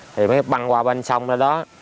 thì mới băng qua bên sông ra đó